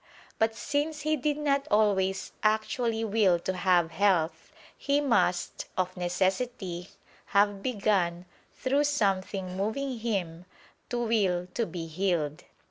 But since he did not always actually will to have health, he must, of necessity, have begun, through something moving him, to will to be healed.